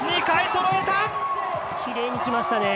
２回そろえた！